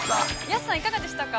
安さん、いかがでしたか。